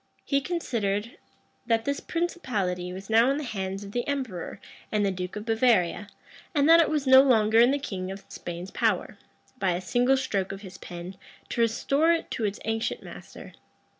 He considered, that this principality was now in the hands of the emperor and the duke of Bavaria and that it was no longer in the king of Spain's power, by a single stroke of his pen, to restore it to its ancient master.